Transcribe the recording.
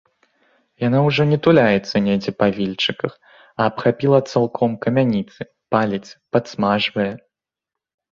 Яно ўжо не туляецца недзе па вільчыках, а абхапіла цалком камяніцы, паліць, падсмажвае.